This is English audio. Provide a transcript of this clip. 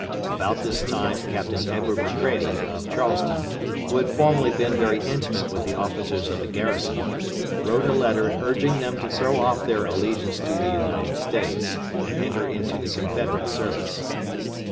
About this time Captain Edward M'Cready, of Charleston, who had formerly been very intimate with the officers of the garrison, wrote a letter urging them to throw off their allegiance to the United States, and enter into the Confederate service.